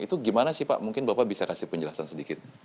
itu gimana sih pak mungkin bapak bisa kasih penjelasan sedikit